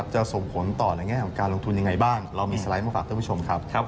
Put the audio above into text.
จะส่งผลต่อในแง่ของการลงทุนยังไงบ้างเรามีสไลด์มาฝากท่านผู้ชมครับ